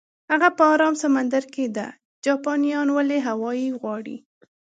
هغه په ارام سمندر کې ده، جاپانیان ولې هاوایي غواړي؟